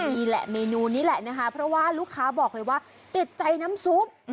นี่แหละเมนูนี้แหละนะคะเพราะว่าลูกค้าบอกเลยว่าติดใจน้ำซุป